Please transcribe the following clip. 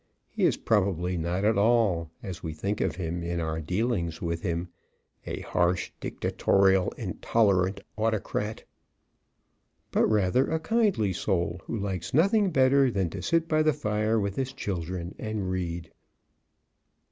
He is probably not at all as we think of him in our dealings with him a harsh, dictatorial, intolerant autocrat, but rather a kindly soul who likes nothing better than to sit by the fire with his children and read.